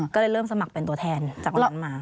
ก็เลยเริ่มสมัครเป็นตัวแทนจากวันนั้นมา